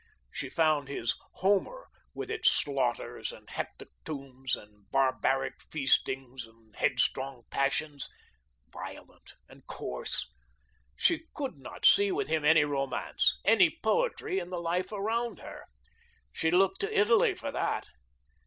She found his Homer, with its slaughters and hecatombs and barbaric feastings and headstrong passions, violent and coarse. She could not see with him any romance, any poetry in the life around her; she looked to Italy for that.